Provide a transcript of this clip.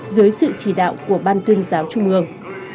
dưới sự chỉ đạo của ban tuyên giáo trung ương